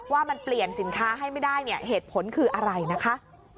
ว่ามันเปลี่ยนสินค้าให้ไม่ได้เนี่ยเหตุผลคืออะไรนะคะ